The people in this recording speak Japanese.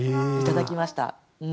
いただきました。